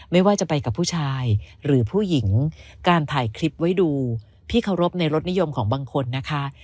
ไม่ว่าจะไปกับผู้ชายหรือผู้หญิงการถ่ายคลิปไว้ดูพี่เคารพในรสนิยมของบางคนนะคะ